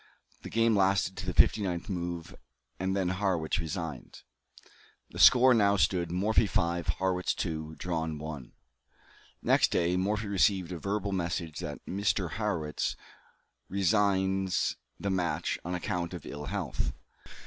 The game lasted to the fifty ninth move, and then Harrwitz resigned. The score now stood, Morphy 5; Harrwitz 2; drawn 1. Next day Morphy received a verbal message that "Mr. Harrwitz resigns the match, on account of ill health."